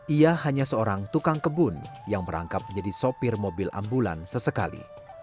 ia hanya seorang tukang kebun yang merangkap menjadi sopir mobil ambulan sesekali